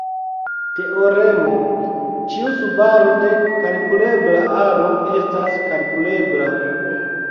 Teoremo: Ĉiu subaro de kalkulebla aro estas kalkulebla.